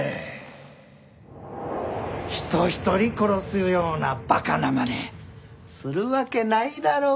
人ひとり殺すような馬鹿なまねするわけないだろう